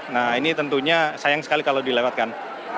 nah ini tentunya sayang sekali kalau dilewatkan